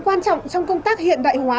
quan trọng trong công tác hiện đại hóa